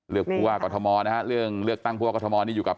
เลือกตั้งพวกอธมอธอยู่กับ